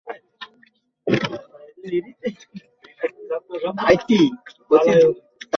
আমরা সোয়া নটার মধ্যে বেরিয়ে পড়ব।